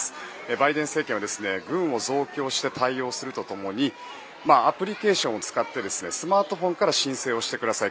バイデン政権は軍を増強して対応するとともにアプリケーションを使ってスマートフォンから申請をしてください